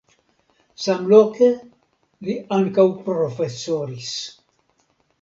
Samloke li ankaŭ profesoris.